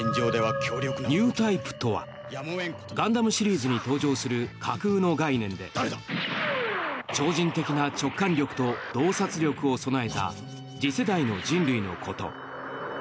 ニュータイプとは「ガンダム」シリーズに登場する架空の概念で超人的な直感力と洞察力を備えた次世代の人類のこと。